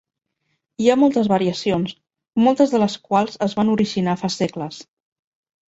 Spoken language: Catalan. Hi ha moltes variacions, moltes de les quals es van originar fa segles.